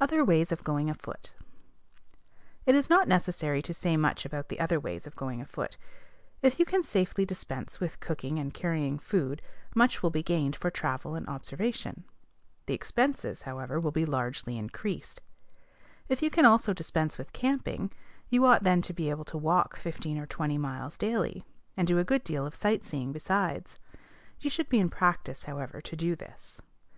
OTHER WAYS OF GOING AFOOT. It is not necessary to say much about the other ways of going afoot. If you can safely dispense with cooking and carrying food, much will be gained for travel and observation. The expenses, however, will be largely increased. If you can also dispense with camping, you ought then to be able to walk fifteen or twenty miles daily, and do a good deal of sight seeing besides. You should be in practice, however, to do this.